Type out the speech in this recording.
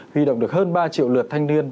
huy động được hơn ba triệu lượt thanh niên